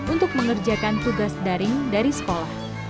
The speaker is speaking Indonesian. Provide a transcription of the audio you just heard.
untuk mengerjakan tugas daring dari sekolah